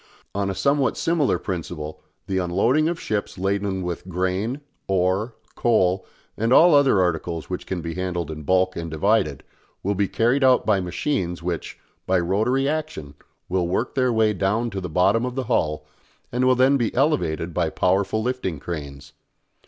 On a somewhat similar principle the unloading of ships laden with grain, ore, coal, and all other articles which can be handled in bulk and divided, will be carried out by machines which, by rotary action, will work their way down to the bottom of the hull and will then be elevated by powerful lifting cranes.